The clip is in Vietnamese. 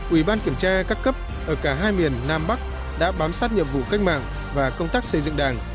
ủy ban kiểm tra các cấp ở cả hai miền nam bắc đã bám sát nhiệm vụ cách mạng và công tác xây dựng đảng